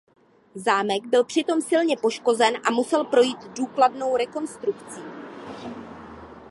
Zámek byl přitom silně poškozen a musel projít důkladnou rekonstrukcí.